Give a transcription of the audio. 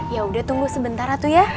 ya udah tunggu sebentar tuh ya